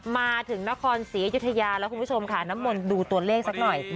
มาถึงนครศรีอยุธยาแล้วคุณผู้ชมค่ะน้ำมนต์ดูตัวเลขสักหน่อย